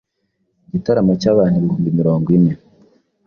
Igitaramo cy’abantu ibihumbi mirongo ine